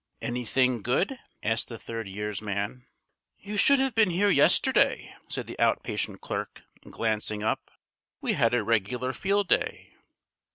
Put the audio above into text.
"Anything good?" asked the third year's man. "You should have been here yesterday," said the out patient clerk, glancing up. "We had a regular field day.